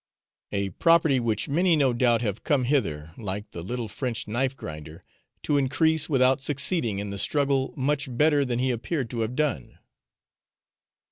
A property which many no doubt have come hither, like the little French knife grinder, to increase, without succeeding in the struggle much better than he appeared to have done.